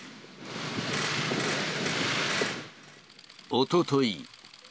おととい。